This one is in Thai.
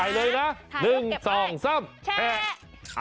ถ่ายเลยนะ๑๒๓แชะ